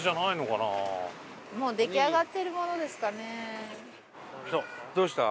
もう出来上がってるものですかね。来た。